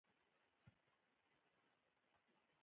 هغې د هوا تر سیوري لاندې د مینې کتاب ولوست.